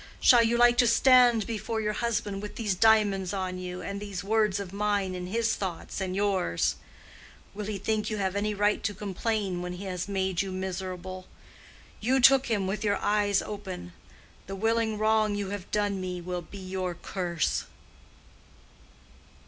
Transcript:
Shall you like to stand before your husband with these diamonds on you, and these words of mine in his thoughts and yours? Will he think you have any right to complain when he has made you miserable? You took him with your eyes open. The willing wrong you have done me will be your curse."